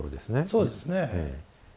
そうですね。